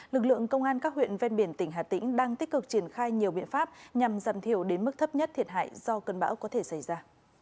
lực lượng công an các huyện ven biển tỉnh hà tĩnh đang tích cực triển khai nhiều biện pháp nhằm giảm thiểu đến mức thấp nhất thiệt hại do cơn bão có thể xảy ra